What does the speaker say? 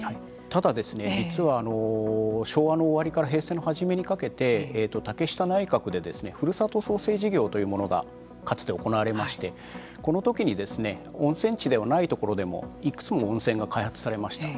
ただ、実は昭和の終わりから平成の初めにかけて竹下内閣でふるさと創生事業というものがかつて行われましてこの時に温泉地ではないところでもいくつも温泉が開発されました。